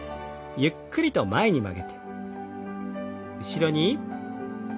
ゆっくりと前に曲げて後ろに。